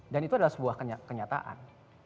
dan itu adalah sebuah kenyataan